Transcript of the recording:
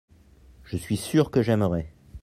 je suis sûr que j'aimerais.